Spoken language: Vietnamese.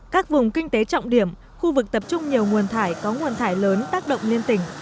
các vùng kinh tế trọng điểm khu vực tập trung nhiều nguồn thải có nguồn thải lớn tác động liên tỉnh